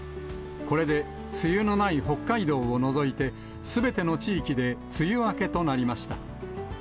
これで梅雨のない北海道を除いて、すべての地域で梅雨明けとなりました。